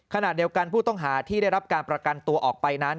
ขณะเดียวกันผู้ต้องหาที่ได้รับการประกันตัวออกไปนั้น